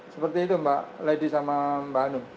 seperti itu mbak lady sama mbak hanum